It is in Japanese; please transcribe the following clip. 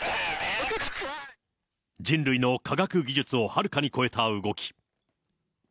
人類の科学技術をはるかに超えた動き。